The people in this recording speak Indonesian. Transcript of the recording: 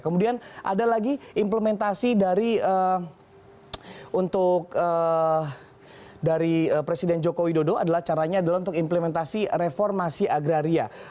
kemudian ada lagi implementasi dari untuk dari presiden joko widodo adalah caranya adalah untuk implementasi reformasi agraria